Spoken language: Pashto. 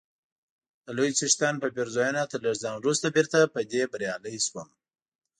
د لوی څښتن په پېرزوینه تر لږ ځنډ وروسته بیرته په دې بریالی سوم،